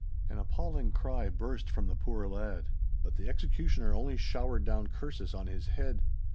An appalling cry burst from the poor lad; but the executioner only showered down curses on his head.